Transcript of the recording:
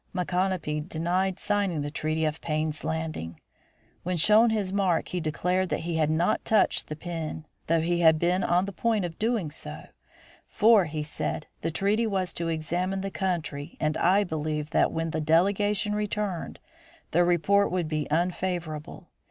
Micanopy denied signing the treaty of Payne's Landing. When shown his mark he declared that he had not touched the pen, though he had been on the point of doing so, "for," he said, "the treaty was to examine the country and I believed that when the delegation returned, the report would be unfavorable.